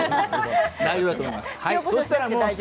大丈夫だと思います。